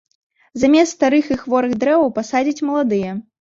Замест старых і хворых дрэваў пасадзяць маладыя.